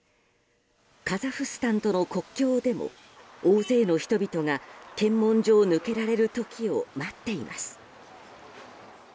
カザフスタンとの国境でも大勢の人々が検問所を抜けられる時を待っています。